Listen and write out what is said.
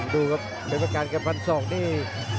ดูครับเป็นประการกับฟันที่๒นี่